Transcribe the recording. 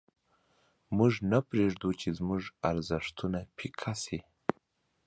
موږ نه پرېږدو چې زموږ ارزښتونه پیکه سي.